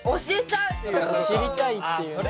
知りたいっていうね。